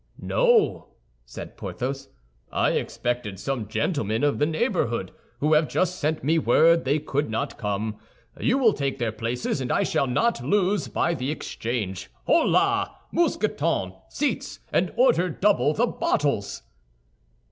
"No," said Porthos, "I expected some gentlemen of the neighborhood, who have just sent me word they could not come. You will take their places and I shall not lose by the exchange. Holà, Mousqueton, seats, and order double the bottles!"